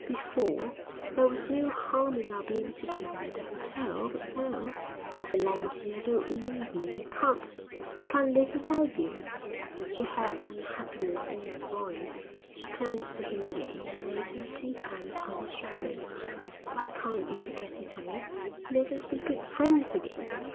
'Before, there was no harm in our being together at the hotel; but now ' 'Oh, Valentia, don't leave me. I can't I can't live without you.' She heard the unhappiness in his voice. She turned to him again and laid her two hands on his shoulders. 'Why can't you forget it all, and let us be good friends again?